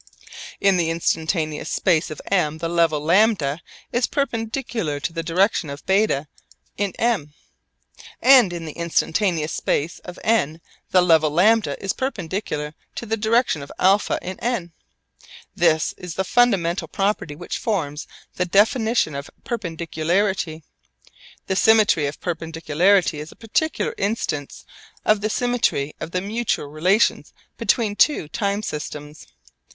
In the instantaneous space of M the level λ is perpendicular to the direction of β in M, and in the instantaneous space of N the level λ is perpendicular to the direction of α in N. This is the fundamental property which forms the definition of perpendicularity. The symmetry of perpendicularity is a particular instance of the symmetry of the mutual relations between two time systems.